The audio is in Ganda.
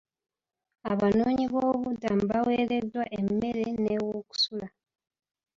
Abanoonyi b'obubudamu baawereddwa emmere n'ewokusula.